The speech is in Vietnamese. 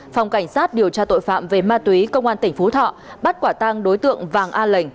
phòng cảnh sát điều tra tội phạm về ma túy công an tỉnh phú thọ bắt quả tang đối tượng vàng a lệnh